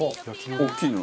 大きいの。